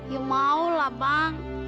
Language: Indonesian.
ya mau lah bang